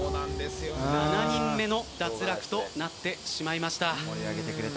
７人目の脱落となってしまいました。